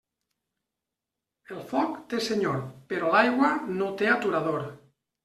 El foc té senyor, però l'aigua no té aturador.